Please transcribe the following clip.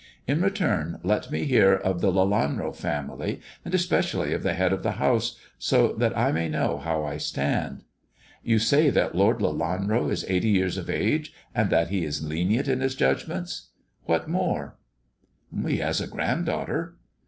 In return let me hear of the Lelanro family, and especially of the head of the house, so that I may know how I stand. 58 THE dwarf's chamber You say that Lord Lelanro is eighty years of age, and that he is lenient in his judgments. What more 1 "He has a grand daughter."